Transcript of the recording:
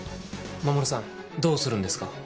衛さんどうするんですか？